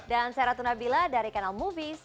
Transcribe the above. dan saya ratunabila dari kanal movies